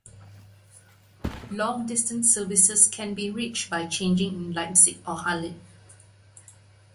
Long-distance services can be reached by changing in Leipzig or Halle.